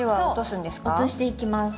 そう落としていきます。